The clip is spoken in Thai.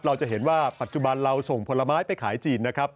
เราจะเห็นว่าปัจจุบันเราส่งผลไม้ไปขายจีนนะครับ